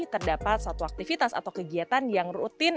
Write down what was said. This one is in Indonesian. terdapat satu aktivitas atau kegiatan yang rutin